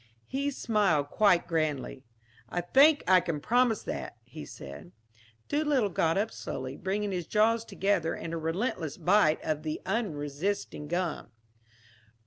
He smiled quite grandly. "I think I can promise that," he said. Doolittle got up slowly, bringing his jaws together in a relentless bite on the unresisting gum.